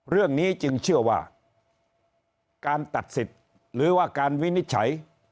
เรื่องนี้จึงเชื่อว่าการตัดสิทธิ์หรือว่าการวินิจฉัย